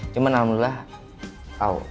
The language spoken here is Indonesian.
cuma alhamdulillah tau